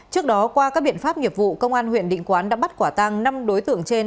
trước đó qua các biện pháp nghiệp vụ công an huyện định quán đã bắt quả tăng năm đối tượng trên